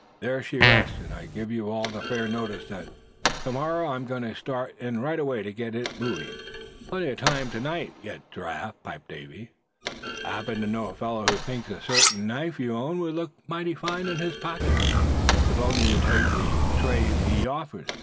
There she rests; and I give you all fair notice that to morrow I'm going to start in right away to get it moving." "Plenty of time to night yet, Giraffe," piped up Davy. "I happen to know a fellow who thinks a certain knife you own would look mighty fine in his pocket, if only you'd take the trade he offers.